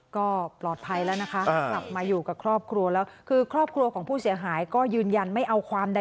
ก็ปลอดภัยแล้วนะคะหลับมาอยู่กับครอบครัวแล้ว